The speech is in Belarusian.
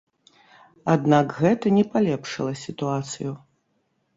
Аднак гэта не палепшыла сітуацыю.